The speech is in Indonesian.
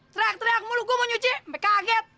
teriak teriak mulu gua mau nyuci sampe kaget